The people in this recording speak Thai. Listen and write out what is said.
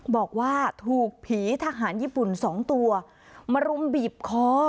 บอกว่าถูกผีทหารญี่ปุ่น๒ตัวมารุมบีบคอ